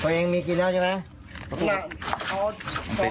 ตัวเองมีกี่แล้วใช่ไหม